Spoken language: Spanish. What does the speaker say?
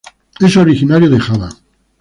Es originario de Java.